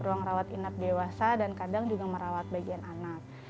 ruang rawat inap dewasa dan kadang juga merawat bagian anak